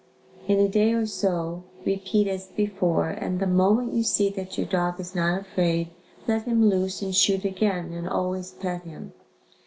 In a day or so repeat as before and the moment you see that your dog is not afraid let him loose and shoot again and always pet him.